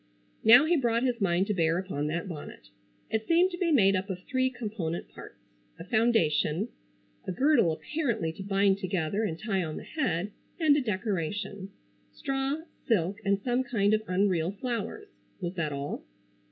Now he brought his mind to bear upon that bonnet. It seemed to be made up of three component parts—a foundation: a girdle apparently to bind together and tie on the head; and a decoration. Straw, silk and some kind of unreal flowers. Was that all?